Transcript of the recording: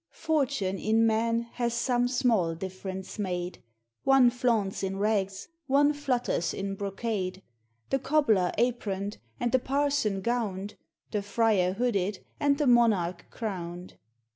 Fortune in men lias some small difference made, One flaunts in rags, one flutters in brocade; The cobbler aproned, and the parson gowned, The friar hooded, and the monarch crowned.